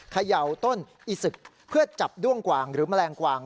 เขย่าต้นอีศึกเพื่อจับด้วงกวางหรือแมลงกวาง